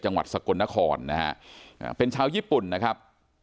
จังหวัดสกลนครนะฮะเป็นชาวญี่ปุ่นนะครับ